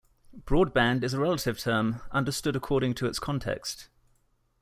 "Broadband" is a relative term, understood according to its context.